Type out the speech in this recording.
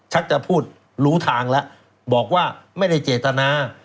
จะพูดรู้ทางแล้วบอกว่าไม่ได้เจตนา